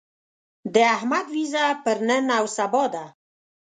د احمد وېزه پر نن او سبا ده.